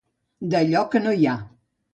D'allò que no hi ha.